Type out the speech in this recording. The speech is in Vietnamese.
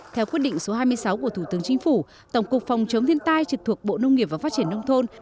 theo quyết định số hai mươi sáu của thủ tướng chính phủ tổng cục phòng chống thiên tai trực thuộc bộ nông nghiệp và phát triển nông thôn